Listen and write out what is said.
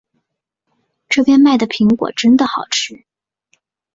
那边卖的苹果真的好吃